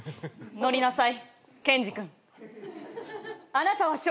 乗りなさい。